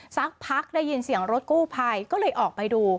สักพักได้ยินเสียงรถกู้ภัยก็เลยออกไปดู